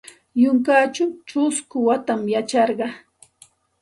Yunkaćhaw ćhusku watam yacharqa.